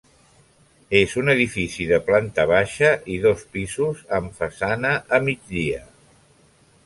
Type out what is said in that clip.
És un edifici de planta baixa i dos pisos, amb façana a migdia.